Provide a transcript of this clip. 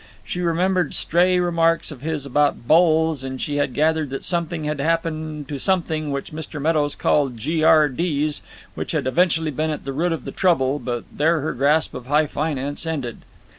She remembered stray remarks of his about bulls, and she had gathered that something had happened to something which Mr. Meadows called G.R.D.'s, which had evidently been at the root of the trouble; but there her grasp of high finance ended.